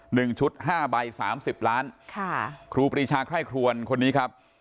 หนึ่งชุด๕ใบ๓๐ล้านครูบรีชาไข้ครวนคนนี้ครับ